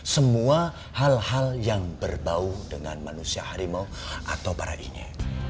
semua hal hal yang berbau dengan manusia harimau atau barainya ⁇